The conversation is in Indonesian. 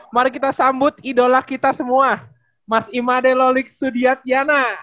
mari kita sambut idola kita semua mas imade lolik sudiatyana